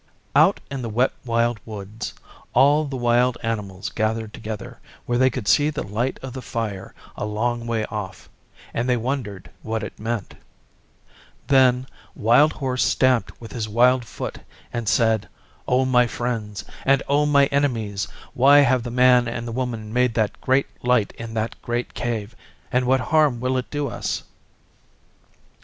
Out in the Wet Wild Woods all the wild animals gathered together where they could see the light of the fire a long way off, and they wondered what it meant. Then Wild Horse stamped with his wild foot and said, 'O my Friends and O my Enemies, why have the Man and the Woman made that great light in that great Cave, and what harm will it do us?